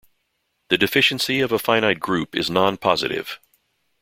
The deficiency of a finite group is non-positive.